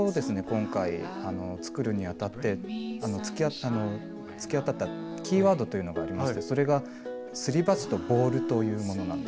今回作るにあたって突き当たったキーワードというのがありましてそれがすり鉢とボールというものなんですけれども。